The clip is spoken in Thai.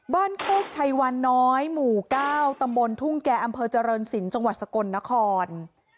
บ้านโคตรชัยวันน้อยหมู่เก้าตำบลทุ่งแก่อำเภอเจริญสินจังหวัดสกลนคร